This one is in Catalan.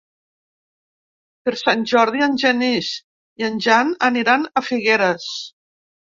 Per Sant Jordi en Genís i en Jan aniran a Figueres.